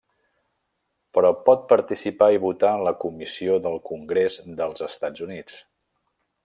Però pot participar i votar en la Comissió del Congrés dels Estats Units.